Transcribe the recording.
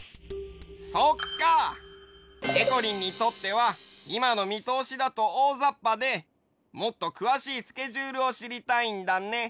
そっか！でこりんにとってはいまのみとおしだとおおざっぱでもっとくわしいスケジュールをしりたいんだね。